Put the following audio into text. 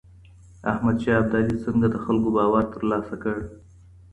احمد شاه ابدالي څنګه د خلګو باور ترلاسه کړ؟